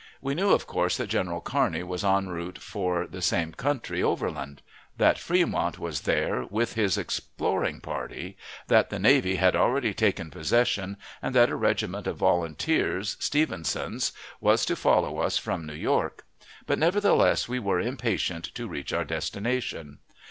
We knew, of course, that General Kearney was enroute for the same country overland; that Fremont was therewith his exploring party; that the navy had already taken possession, and that a regiment of volunteers, Stevenson's, was to follow us from New York; but nevertheless we were impatient to reach our destination.